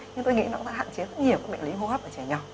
nhưng tôi nghĩ nó cũng sẽ hạn chế rất nhiều bệnh lý hô hấp ở trẻ nhỏ